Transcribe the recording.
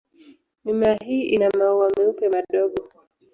Mimea hii ina maua meupe madogo.